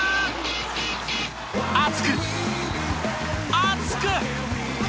熱く熱く！